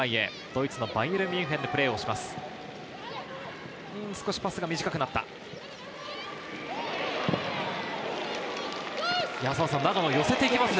ドイツのバイエルン・ミュンヘンでプレーしています。